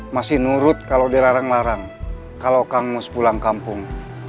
masih nurut kalau dilarang larang kalau kangus pulang kampung